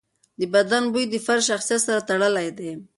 د بدن بوی د فرد شخصیت سره تړلی دی.